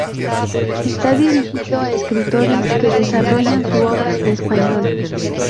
Está dirigido a escritores que desarrollan su obra en español.